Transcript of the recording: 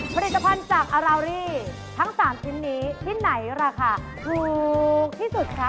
ผลิตภัณฑ์จากอัลลาวิลี่ทั้ง๓ชิ้นนี้ที่ไหนราคาถูกที่สุดครับ